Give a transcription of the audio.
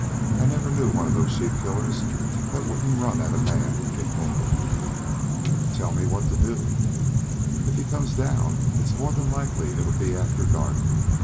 I never knew one of those sheep killers that wouldn't run at a man, if wounded." "Tell me what to do." "If he comes down it's more than likely to be after dark.